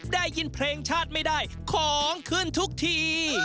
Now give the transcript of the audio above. ได้ยินเพลงชาติไม่ได้ของขึ้นทุกที